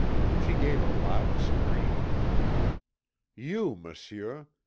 She gave a loud scream. "You, Monsieur!